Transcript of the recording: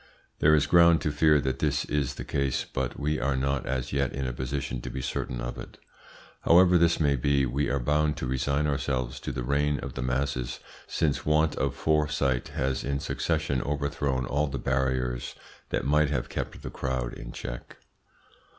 There is ground to fear that this is the case, but we are not as yet in a position to be certain of it. However this may be, we are bound to resign ourselves to the reign of the masses, since want of foresight has in succession overthrown all the barriers that might have kept the crowd in check.